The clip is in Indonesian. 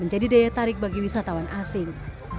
menjadi daya tarik bagi wisatawan asing